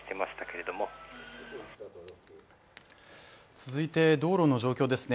続いて道路の状況ですね。